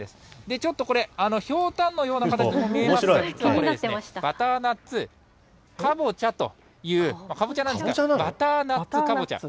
ちょっとこれ、ひょうたんのような形にも見えますが、これ、バターナッツかぼちゃというかぼちゃなんですが、バターナッツかぼちゃ。